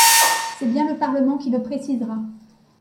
C’est bien le Parlement qui le précisera.